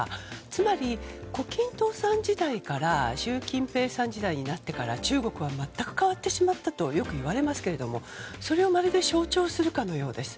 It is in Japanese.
つまり、胡錦涛さん時代から習近平さん時代になってから中国は全く変わってしまったとよく言われていますけどもそれをまるで象徴するかのようです。